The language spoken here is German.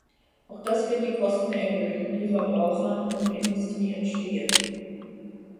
Auch das wird die Kosten erhöhen, die Verbrauchern und Industrie entstehen.